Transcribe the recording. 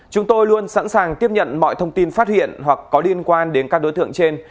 chúng tôi luôn sẵn sàng tiếp nhận mọi thông tin phát hiện hoặc có liên quan đến các đối tượng trên